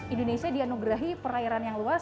indonesia dianugerahi perairan yang luas